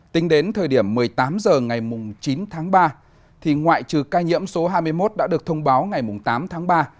tính đến thời điểm một mươi tám h ngày chín tháng ba thì ngoại trừ ca nhiễm số hai mươi một đã được thông báo ngày tám tháng ba